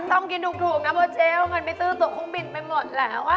ต้องกินถูกนะพ่อเจ๊เพราะมันไปซื้อตัวคงบินไปหมดแล้ว